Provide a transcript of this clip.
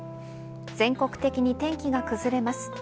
全国的に天気が崩れます。